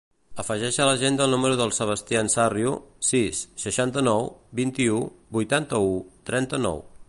Afegeix a l'agenda el número del Sebastian Sarrio: sis, seixanta-nou, vint-i-u, vuitanta-u, trenta-nou.